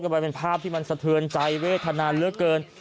กันมาเป็นภาพที่มันสะเทือนใจเวตธนาณเรื่อยเกิน